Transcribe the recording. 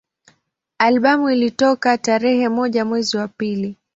Albamu ilitoka tarehe moja mwezi wa pili